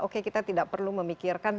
oke kita tidak perlu memikirkan